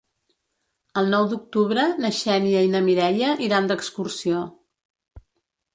El nou d'octubre na Xènia i na Mireia iran d'excursió.